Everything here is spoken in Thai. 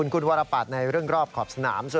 คุณวรปัตย์ในเรื่องรอบขอบสนาม